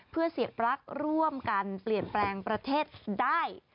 เพื่อเสียดรักร่วมกันเปลี่ยนแปลงประเทศได้